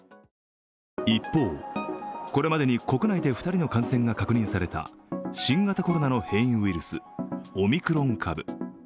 一方、これまでに国内で２人の感染が確認された新型コロナの変異ウイルスオミクロン株。